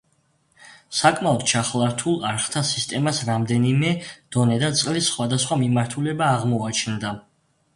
საკმაოდ ჩახლართულ არხთა სისტემას რამდენიმე დონე და წყლის სხვადასხვა მიმართულება აღმოაჩნდა.